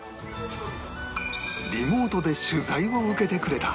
リモートで取材を受けてくれた